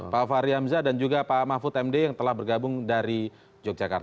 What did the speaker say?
pak fahri hamzah dan juga pak mahfud md yang telah bergabung dari yogyakarta